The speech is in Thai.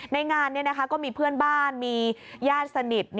ในงานก็มีเพื่อนบ้านมีญาติสนิท